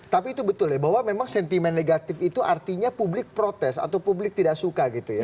tapi itu betul ya bahwa memang sentimen negatif itu artinya publik protes atau publik tidak suka gitu ya